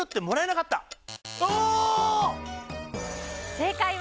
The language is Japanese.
正解は。